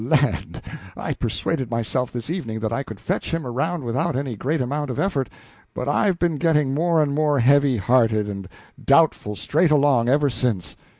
Land! I persuaded myself this evening that I could fetch him around without any great amount of effort, but I've been getting more and more heavy hearted and doubtful straight along, ever since.